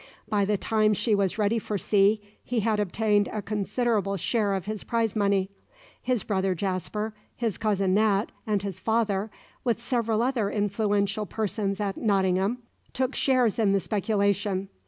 By the time she was ready for sea, he had obtained a considerable share of his prize money. His brother Jasper, his cousin Nat, and his father, with several other influential persons at Nottingham, took shares in the speculation.